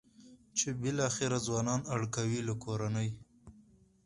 چې بالاخره ځوانان اړ کوي له کورنۍ.